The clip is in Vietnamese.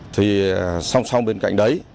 thì song song bên cạnh đấy